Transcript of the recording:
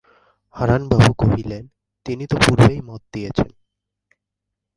হারানবাবু কহিলেন, তিনি তো পূর্বেই মত দিয়েছেন।